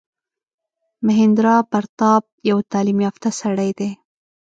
مهیندراپراتاپ یو تعلیم یافته سړی دی.